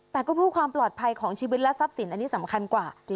แต่ก็เพื่อความปลอดภัยของชีวิตและทรัพย์สินอันนี้สำคัญกว่า